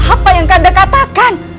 apa yang kanda katakan